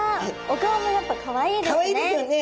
お顔もやっぱかわいいですね。